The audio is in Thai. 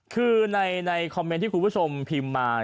คือในคอมเมนต์ที่คุณผู้ชมพิมพ์มา